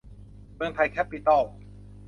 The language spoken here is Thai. เมืองไทย แคปปิตอล